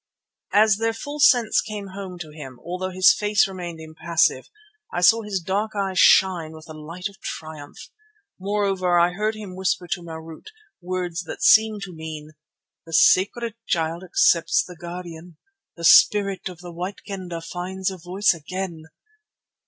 As their full sense came home to him, although his face remained impassive, I saw his dark eyes shine with the light of triumph. Moreover I heard him whisper to Marût words that seemed to mean, "The Sacred Child accepts the Guardian. The Spirit of the White Kendah finds a voice again."